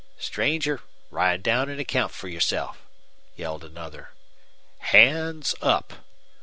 "Stranger, ride down an' account fer yourself!" yelled another. "Hands up!"